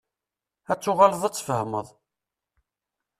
Ad tuɣaleḍ ad tfehmeḍ.